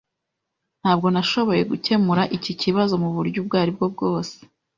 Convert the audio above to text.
Ntabwo nashoboye gukemura iki kibazo muburyo ubwo aribwo bwose.